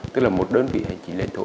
tức là một đơn vị hành chính lệnh thổ